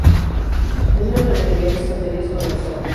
En una ferretería las estanterías colapsaron.